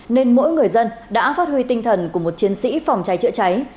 nên mỗi người dân đã phát huy tinh thần của một chiến sĩ phòng cháy chữa cháy